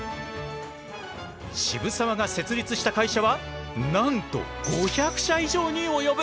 渋沢が設立した会社はなんと５００社以上に及ぶ。